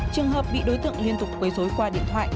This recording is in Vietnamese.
trường hợp bị đối tượng liên tục quấy dối qua điện thoại